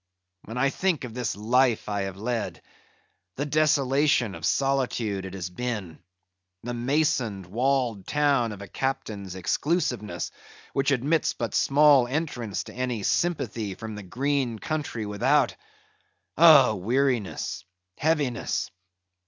When I think of this life I have led; the desolation of solitude it has been; the masoned, walled town of a Captain's exclusiveness, which admits but small entrance to any sympathy from the green country without—oh, weariness! heaviness!